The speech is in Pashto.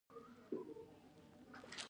هلمندي حاجي ته ورنارې کړې.